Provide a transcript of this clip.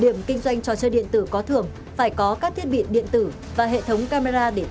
điểm kinh doanh trò chơi điện tử có thưởng phải có các thiết bị điện tử và hệ thống camera để